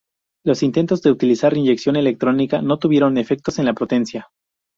Los intentos de utilizar inyección electrónica no tuvieron efectos en la potencia.